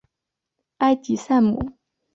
埃吉赛姆。